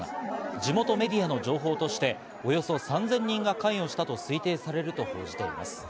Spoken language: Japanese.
地元メディアの情報として、およそ３０００人が関与したと推定されると報じています。